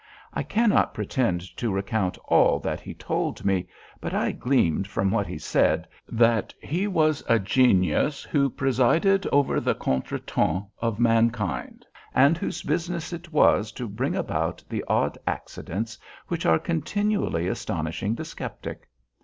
I cannot pretend to recount all that he told me, but I gleaned from what he said that he was a genius who presided over the contretemps of mankind, and whose business it was to bring about the odd accidents which are continually astonishing the skeptic.